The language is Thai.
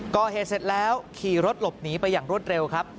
ก่อเหตุเสร็จแล้วขี่รถหลบหนีไปอย่างรวดเร็วครับ